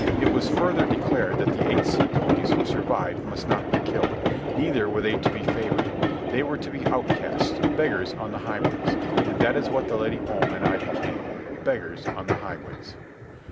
It was further declared that the eight sea cunies who survived must not be killed. Neither were they to be favoured. They were to be outcasts, beggars on the highways. And that is what the Lady Om and I became, beggars on the highways.